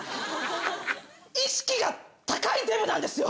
意識が高いデブなんですよ。